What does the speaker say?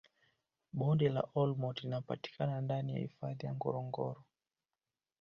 bonde la olmoti linapatikana ndani ya hifadhi ya ngorongoro